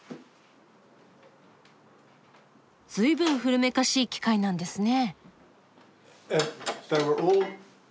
ずいぶん古めかしい機械なんですね。